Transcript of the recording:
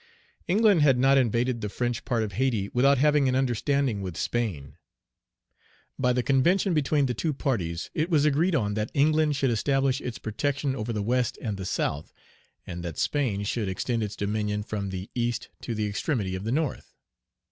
England had not invaded the French part of Hayti without having an understanding with Spain. By the convention between the two parties it was agreed on that England should establish its protection over the West and the South, and that Spain should extend its dominion from the East to the extremity of the North.